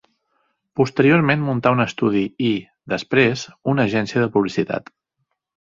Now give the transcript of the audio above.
Posteriorment muntà un estudi i -després- una agència de publicitat.